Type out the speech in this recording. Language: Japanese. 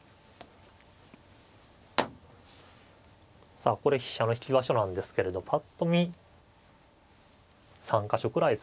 さあこれ飛車の引き場所なんですけれどぱっと見３か所くらいですかね。